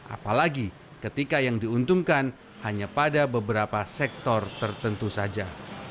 apalagi ketika yang diuntungkan hanya pada beberapa sektor tertentu saja